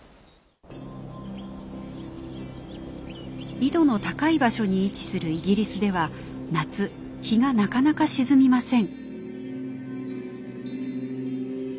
緯度の高い場所に位置するイギリスでは夏日がなかなか沈みません。